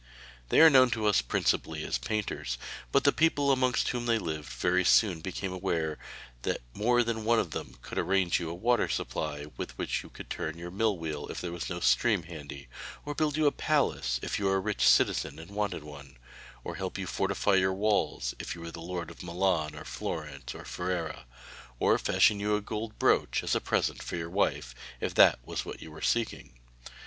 They are known to us principally as painters, but the people amongst whom they lived very soon became aware that more than one of them could arrange you a water supply which would turn your mill wheel if there was no stream handy, or build you a palace if you were a rich citizen and wanted one, or help you to fortify your walls if you were the Lord of Milan or Florence or Ferrara; or fashion you a gold brooch as a present for your wife, if that was what you were seeking.